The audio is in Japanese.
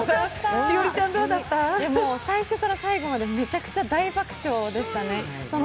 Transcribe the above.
最初から最後までめちゃくちゃ大爆笑でしたね。